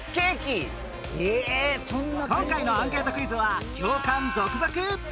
今回のアンケートクイズは共感続々！